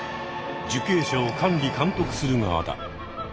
受刑者を管理・監督する側だ。